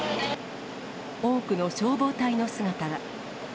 多くの消防隊の姿が。